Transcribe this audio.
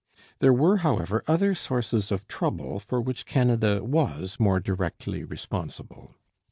There were, however, other sources of trouble for which Canada was more directly responsible.